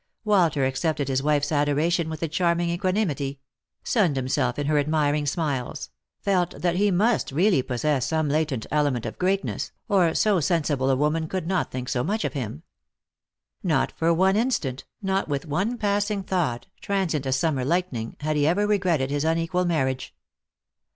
Walter accepted his wife's adoration with a charming equanimity ; sunned himself in her Lost for Love. 367 admiring smiles ; felt that he must really possess some latent element of greatness, or so sensible a woman could not think so much of him. Not for one instant, not with one passing thought, transient as summer lightning, had he ever regretted his unequal marriage.